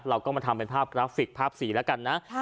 เราก็มาทำเป็นภาพกราฟิกภาพสีแล้วกันนะ